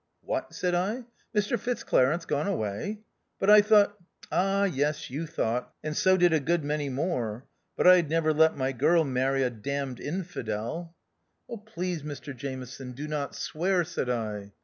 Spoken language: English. " What," said I, " Mr Fitzclarence gone away ! but, I thought " "Ah, yes, you thought, and so did a good many more. But I'd never let my girl marry a damned infidel." THE OUTCAST. 91 " Oh please, Mr Jameson, do not swear," said I.